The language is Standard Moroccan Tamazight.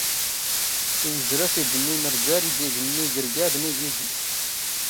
ⵜⵉⵏⵣⵔⴰⴼ ⵉⴷ ⵎⵎ ⵉⵎⵔⴷⴰⵍ ⴷ ⵉⴷ ⵎⵎ ⵉⴳⵔⴳⴰⴱ ⵏ ⵉⴳⵉⴷⵉ.